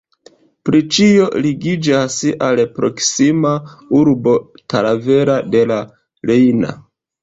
Pri ĉio ligiĝas al proksima urbo Talavera de la Reina.